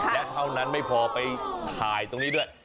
แล้วเท่านั้นไม่พอไปถ่ายตรงนี้ด้วย